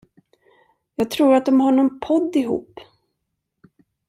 Jag tror de har nån podd ihop.